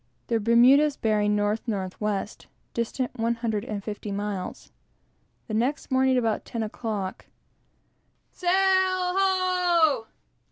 the Bermudas bearing north north west, distant one hundred and fifty miles. The next morning, about ten o'clock, "Sail ho!"